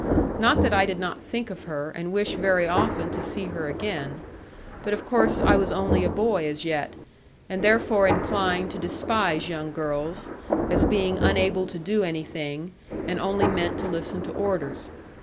Not that I did not think of her, and wish very often to see her again; but of course I was only a boy as yet, and therefore inclined to despise young girls, as being unable to do anything, and only meant to listen to orders.